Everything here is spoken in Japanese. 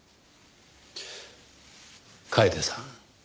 楓さん